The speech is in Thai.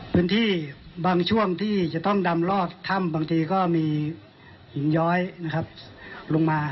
พื้นที่บางช่วงที่จะต้องดำลอดถ้ำบางทีก็มีหินย้อยนะครับลงมา